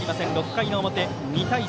６回の表、２対３。